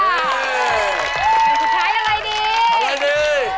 อะไรดี